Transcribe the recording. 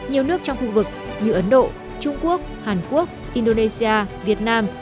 nhiều nước trong khu vực như ấn độ trung quốc hàn quốc indonesia việt nam